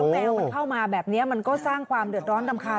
แมวมันเข้ามาแบบนี้มันก็สร้างความเดือดร้อนรำคาญ